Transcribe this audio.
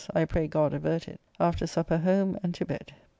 I pray God avert it. After supper home and to bed.